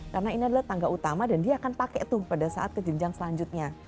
karena ini adalah tangga utama dan dia akan pakai tuh pada saat kejenjang selanjutnya